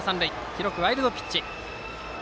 記録はワイルドピッチ。